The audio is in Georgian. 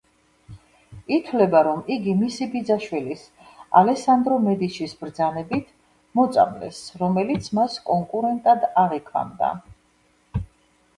ითვლება, რომ იგი მისი ბიძაშვილის, ალესანდრო მედიჩის ბრძანებით მოწამლეს, რომელიც მას კონკურენტად აღიქვამდა.